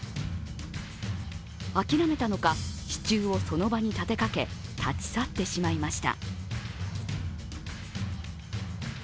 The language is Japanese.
諦めたのか、支柱をその場に立てかけ立ち去ってしまいました。